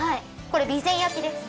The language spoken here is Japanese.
これ備前焼です。